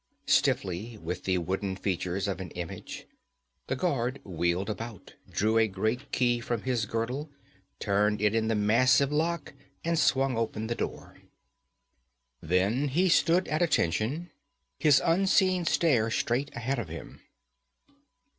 Stiffly, with the wooden features of an image, the guard wheeled about, drew a great key from his girdle, turned it in the massive lock and swung open the door. Then he stood at attention, his unseeing stare straight ahead of him.